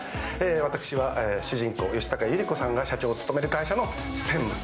私は主人公、吉高由里子さんが勤める会社の専務。